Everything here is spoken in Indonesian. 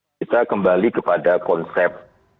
kita kembali kepada konsep